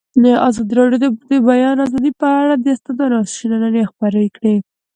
ازادي راډیو د د بیان آزادي په اړه د استادانو شننې خپرې کړي.